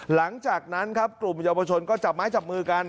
หลังจากนั้นครับกลุ่มเยาวชนก็จับไม้จับมือกัน